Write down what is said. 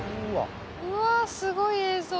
うわすごい映像。